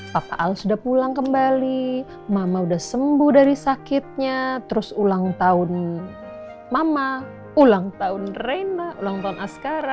papa al sudah pulang kembali mama sudah sembuh dari sakitnya terus ulang tahun mama ulang tahun rena ulang tahun askara